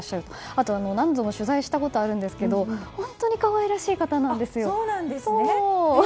あとは何度も取材したことがあるんですけど本当に可愛らしい方なんですよ。